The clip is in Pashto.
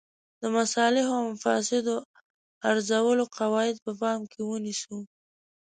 د مصالحو او مفاسدو ارزولو قواعد په پام کې ونیسو.